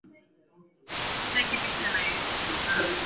Sitaki vita na yeyote